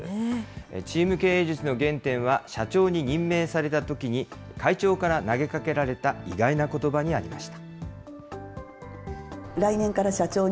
チーム経営術の原点は、社長に任命されたときに、会長から投げかけられた意外なことばにありました。